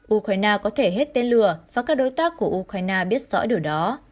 ukraine có thể hết tên lừa và các đối tác của ukraine biết rõ điều đó